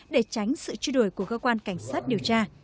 để tránh sự truy đuổi của cơ quan cảnh sát điều tra